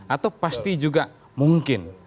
atau pasti juga mungkin